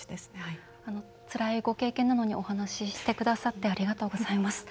つらいご経験なのにお話ししてくださってありがとうございます。